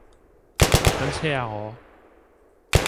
搭緊車呀我